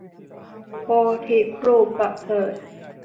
โพธิครูประเสริฐ